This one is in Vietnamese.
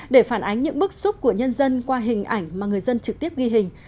để phản ánh những bức xúc của nhân dân qua hình ảnh mà người dân trực tiếp ghi hình